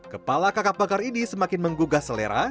kepala kakap bakar ini semakin menggugah selera